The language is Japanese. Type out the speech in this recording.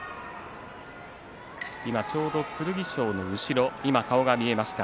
今ちょうど剣翔の後ろ顔が見えました。